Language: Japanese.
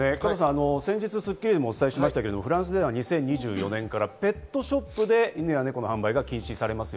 先日『スッキリ』でもお伝えしました、フランスでは２０２４年からペットショップで犬や猫の販売が禁止されます。